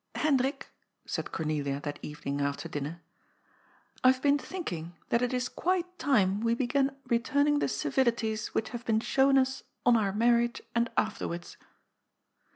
" Hbndbik," said Cornelia that evening after dinner, " I have been thinking that it is qnite time we began re* taming the civilities which have been shown ns on our marrii^e and afterwards.